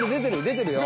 出てるよ。